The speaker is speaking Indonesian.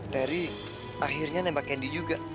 terry akhirnya nembak candy juga